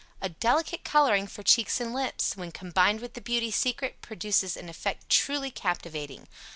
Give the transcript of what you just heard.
A delicate coloring for cheeks and lips; when combined with the "Beauty Secret," produces an effect truly captivating.